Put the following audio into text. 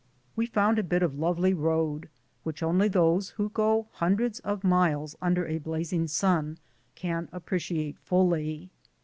We found a bit of lovely road, which only those who go hundreds of miles under a blazing sun can appreci ate fully.